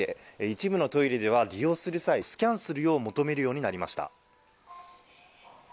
一部のトイレでは利用する際、スキャンするよう求めるようになりました。